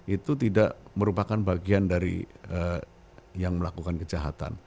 itu tidak merupakan bagian dari yang melakukan kejahatan